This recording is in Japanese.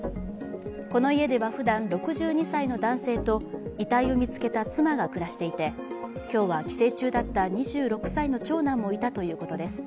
この家ではふだん、６２歳の男性と遺体を見つけた妻が暮らしていて今日は帰省中だった２６歳の長男もいたということです。